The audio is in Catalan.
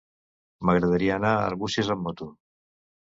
M'agradaria anar a Arbúcies amb moto.